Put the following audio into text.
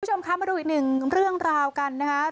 คุณผู้ชมคะมาดูอีกหนึ่งเรื่องราวกันนะครับ